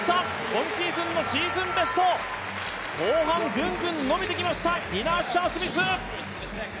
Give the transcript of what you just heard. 今シーズンのシーズンベスト、後半ぐんぐん伸びてきましたディナ・アッシャー・スミス。